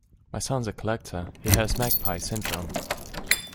My son's a collector: he has magpie syndrome.